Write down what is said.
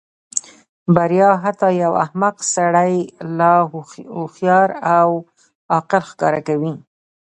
بریا حتی یو احمق سړی لا هوښیار او عاقل ښکاره کوي.